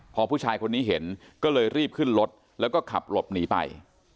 พอผู้ชายคนนี้เห็นก็เลยรีบขึ้นรถแล้วก็ขับหลบหนีไป